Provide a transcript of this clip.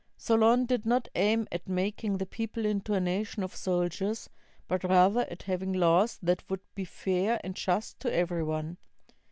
Solon did not aim at making the people into a nation of soldiers, but rather at having laws that would be fair and just to every one.